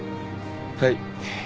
はい。